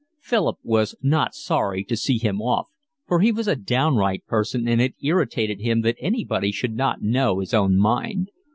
Philip was not sorry to see him off, for he was a downright person and it irritated him that anybody should not know his own mind.